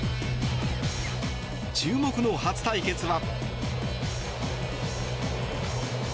注目の初対決は。